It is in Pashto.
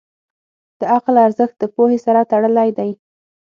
د عقل ارزښت د پوهې سره تړلی دی.